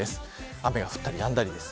雨が降ったり止んだりです。